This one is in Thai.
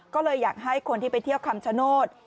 ก็เลยอยากให้คนที่ไปเที่ยวคำชโนธ